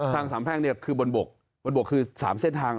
ทางสามแพร่งเนี่ยคือบนบกบนบกคือ๓เส้นทาง